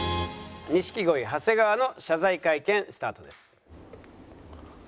錦鯉長谷川の謝罪会見スタートです。